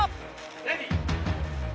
レディー。